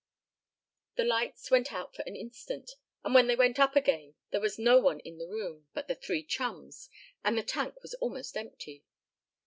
The lights went out for an instant, and when they went up again there was no one in the room but the three chums, and the tank was almost empty.